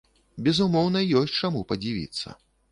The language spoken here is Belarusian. Безумоўна, ёсць чаму падзівіцца.